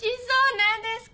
何ですか？